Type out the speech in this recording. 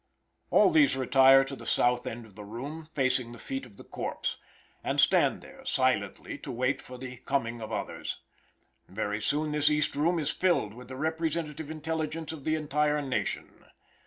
All these retire to the south end of the room, facing the feet of the corpse, and stand there silently to wait for the coming of others. Very soon this East room is filled with the representative intelligence of the entire nation.